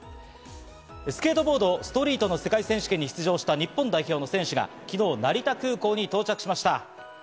スケートボード・ストリートの世界選手権に出場した日本代表の選手が昨日、成田空港に到着しました。